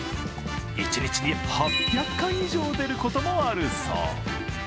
一日に８００貫以上、出ることもあるそう。